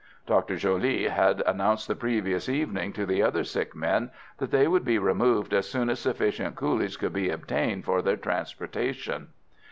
Dr Joly had announced the previous evening to the other sick men that they would be removed as soon as sufficient coolies could be obtained for their transportation.